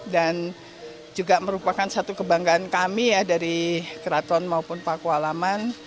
dan juga merupakan satu kebanggaan kami dari keraton maupun pakualaman